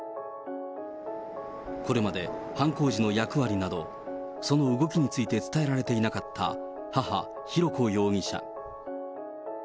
これまで犯行時の役割など、その動きについて伝えられていなかった母、浩子容疑者。